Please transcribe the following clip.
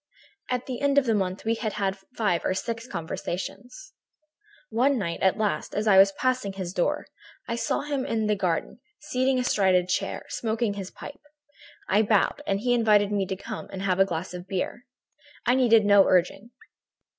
At the end of a month we had had five or six conversations. "One night, at last, as I was passing before his door, I saw him in the garden, seated astride a chair, smoking his pipe. I bowed and he invited me to come in and have a glass of beer. I needed no urging.